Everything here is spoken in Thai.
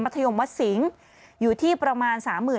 มัธยมวัดสิงห์อยู่ที่ประมาณ